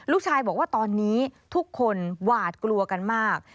ลูกชายบอกว่าตอนนี้ทุกคนหวาดกลัวกันมาก